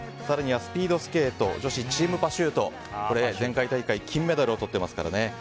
更にはスピードスケート女子チームパシュートこれは前回大会金メダルをとっていますからね。